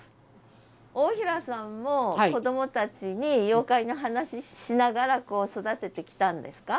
大平さんも子どもたちに妖怪の話しながら育ててきたんですか？